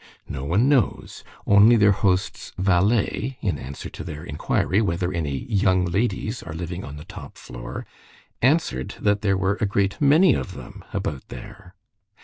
No one knows; only their host's valet, in answer to their inquiry whether any 'young ladies' are living on the top floor, answered that there were a great many of them about there.